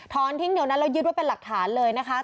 ทิ้งเดี๋ยวนั้นแล้วยึดไว้เป็นหลักฐานเลยนะคะ